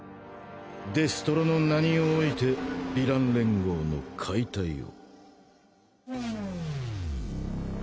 デストロの名に於いてヴィラン連合の解体を。